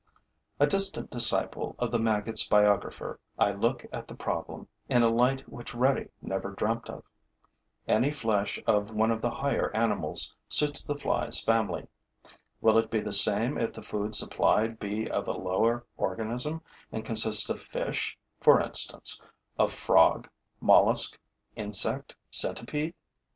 A distant disciple of the maggot's biographer, I look at the problem in a light which Redi never dreamt of. Any flesh of one of the higher animals suits the fly's family. Will it be the same if the food supplied be of a lower organism and consist of fish, for instance, of frog, mollusk, insect, centipede?